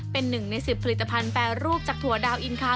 เป็นหนึ่งใน๑๐ผลิตภัณฑ์แปรรูปจากถั่วดาวอินคา